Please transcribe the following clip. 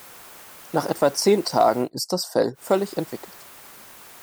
Nach etwa zehn Tagen ist das Fell völlig entwickelt.